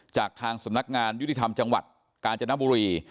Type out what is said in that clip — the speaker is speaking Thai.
จากทางสำนักงานยุติธรรมจังหวัดกาญจนบุรี